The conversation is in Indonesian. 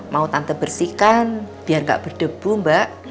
mau tante bersihkan biar gak berdebu mbak